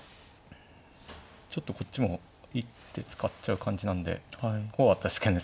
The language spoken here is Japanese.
ちょっとこっちも一手使っちゃう感じなんで怖かったですけどね。